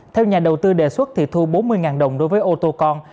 theo nhà đầu tư đề xuất thì thu bốn mươi đồng đối với ô tô con